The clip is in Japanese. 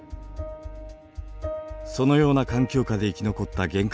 そのような環境下で生き残った原核